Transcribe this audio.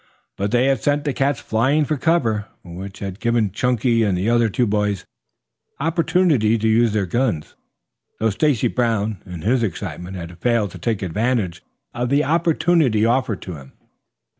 But they had sent the cats flying for cover, which had given Chunky and the other two boys opportunity to use their guns, though Stacy Brown, in his excitement, had failed to take advantage of the opportunity offered to him.